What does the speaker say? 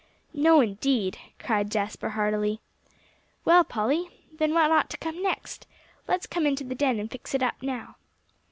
"No, indeed," cried Jasper heartily. "Well, Polly, then what ought to come next? Let's come into the den and fix it up now."